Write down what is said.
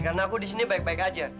karena aku di sini baik baik aja